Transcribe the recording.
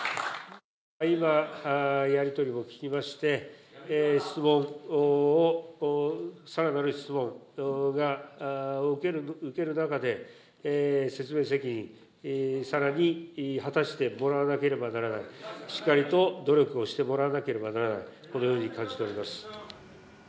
今、やり取りも聞きまして、質問を、さらなる質問を受ける中で、説明責任、さらに果たしてもらわなければならない、しっかりと努力をしてもらわなければならない、このように感じております。